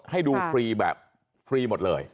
ให้ดูฟรีแบบฟรีหมดเลย